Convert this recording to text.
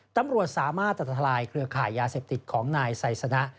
ตำรวจสามารถตัดทลายเครือข่ายยาเสพติดของนายไซสนะ